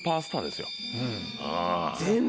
うん。